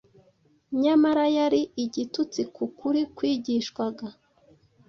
nyamara yari igitutsi ku kuri kwigishwaga.